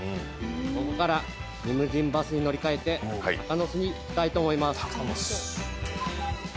ここからリムジンバスに乗り換えて鷹ノ巣に行きたいと思います。